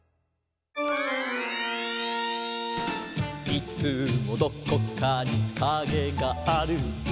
「いつもどこかにカゲがある」